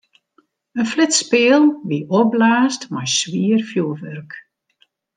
In flitspeal wie opblaasd mei swier fjurwurk.